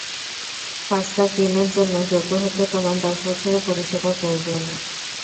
পাঁচ লাখ ঋণের জন্য যোগ্য হতে তোমার দশ বছরের পরিষেবা প্রয়োজন।